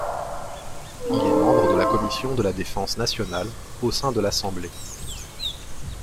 Il est membre de la commission de la défense nationale au sein de l'Assemblée.